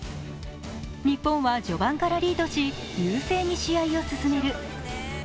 日本は序盤からリードし、優勢に試合を進める。